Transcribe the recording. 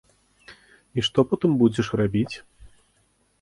І што потым будзеш рабіць?